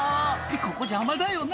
「ここ邪魔だよな」